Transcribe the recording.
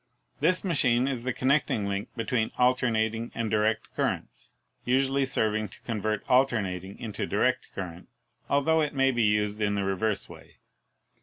This machine is the connecting link between alternating and direct currents, usually serving to convert alternating into direct current, altho it may be used in the reverse way.